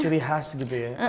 ciri khas gitu ya